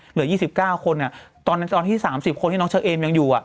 เหลือ๒๙คนตอนที่๓๐คนที่น้องเชอร์เอมยังอยู่